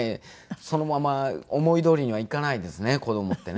そのまま思いどおりにはいかないですね子供ってね。